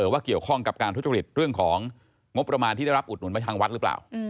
ว่าเกี่ยวข้องกับการทุจริตเรื่องของงบประมาณที่ได้รับอุดหนุนไปทางวัดหรือเปล่า